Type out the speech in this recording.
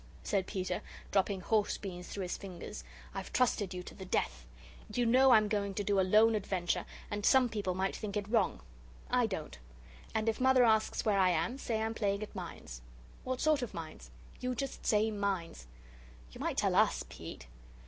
said Peter, dropping horse beans through his fingers. "I've trusted you to the death. You know I'm going to do a lone adventure and some people might think it wrong I don't. And if Mother asks where I am, say I'm playing at mines." "What sort of mines?" "You just say mines." "You might tell US, Pete."